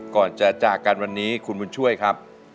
ก่อนจะจากกันวันนี้คุณบุญช่วยครับ